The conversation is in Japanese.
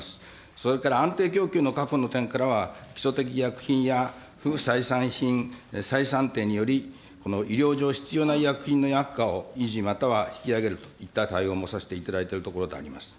それから安定供給の確保の点からは、基礎的医薬品や不採算品採算点により、この医療上必要な薬品の薬価を維持または引き上げるといった対応もさせていただいているところであります。